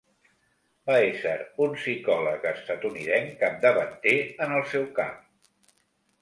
Va ésser un psicòleg estatunidenc capdavanter en el seu camp.